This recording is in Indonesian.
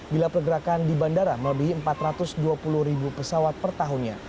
bila pergerakan di bandara melebihi empat ratus dua puluh ribu pesawat per tahunnya